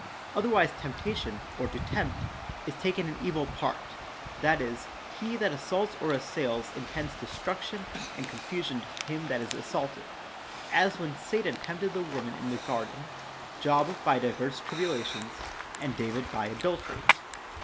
Otherwise temptation, or to tempt, is taken in evil part ; that is, he that assaults or assails intends destruction and con fusion to him that is assaulted. As when Satan tempted the woman in the garden, Job by divers tribulations, and David by adultery.